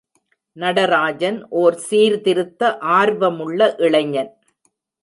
நடராஜன் ஓர் சீர்திருத்த ஆர்வமுள்ள இளைஞன்.